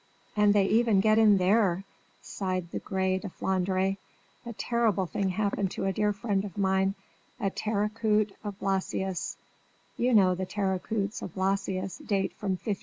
"And they get even there," sighed the grès de Flandre. "A terrible thing happened to a dear friend of mine, a terre cuite of Blasius (you know the terres cuites of Blasius date from 1560).